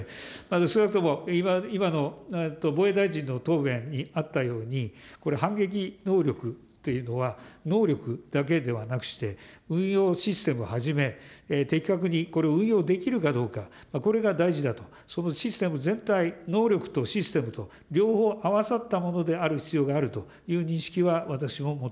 少なくとも今の防衛大臣の答弁にあったように、これ、反撃能力というのは、能力だけではなくして、運用システムはじめ、的確にこれを運用できるかどうか、これが大事だと、そのシステム全体、能力とシステムと両方合わさったものである必要があるという認識